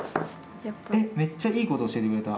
えっめっちゃいいこと教えてくれた。